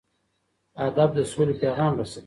ادب د سولې پیغام رسوي.